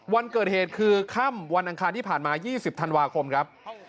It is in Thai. วันเกิดเหตุคือค่ำวันอังคารที่ผ่านมา๒๐ธันวาคมครับ